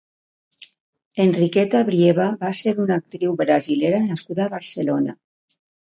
Henriqueta Brieba va ser una actriu brasilera nascuda a Barcelona.